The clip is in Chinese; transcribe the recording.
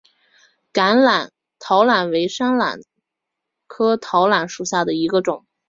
桃榄为山榄科桃榄属下的一个种。